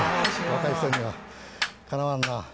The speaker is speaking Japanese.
若い人にはかなわんな。